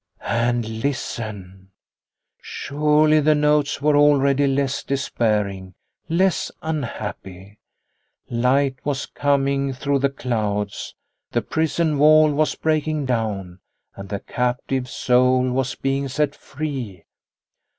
And listen ! Surely the notes were already less despairing, less unhappy. Light was coming through the clouds, the prison wall was break ing down, and the captive soul was being set free.